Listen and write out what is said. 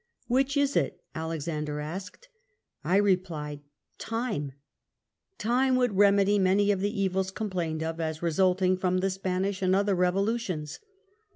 "'Which is itT Alexander asked. I replied, Time ! Time would remedy many of the evils complained of as resulting from the Spanish and other revolutions."